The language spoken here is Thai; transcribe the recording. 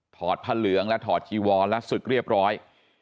อดผ้าเหลืองและถอดจีวรและศึกเรียบร้อย